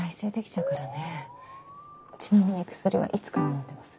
ちなみに薬はいつから飲んでます？